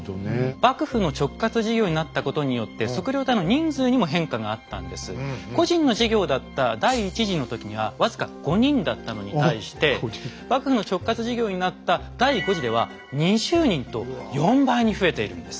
幕府の直轄事業になったことによって個人の事業だった第１次の時には僅か５人だったのに対して幕府の直轄事業になった第５次では２０人と４倍に増えているんです。